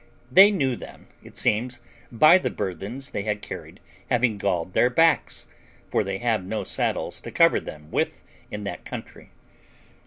They knew them, it seems, by the burthens they had carried having galled their backs, for they have no saddles to cover them with in that country.